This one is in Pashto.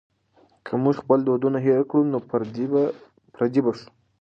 که موږ خپل دودونه هېر کړو نو پردي به شو.